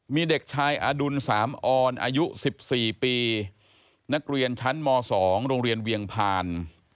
มีเด็กชายอดุลสามออนอายุ๑๔ปีนักเรียนชั้นม๒โรงเรียนเวียงพาน